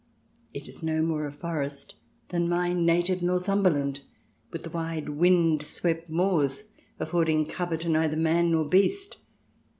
It is no more a forest than my native Northumberland, with the wide, wind swept moors affording cover to neither man nor beast.